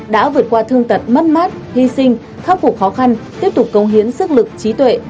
đã vượt qua thương tật mất mát hy sinh khắc phục khó khăn tiếp tục công hiến sức lực trí tuệ